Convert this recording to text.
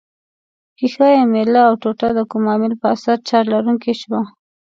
ښيښه یي میله او ټوټه د کوم عامل په اثر چارج لرونکې شوه؟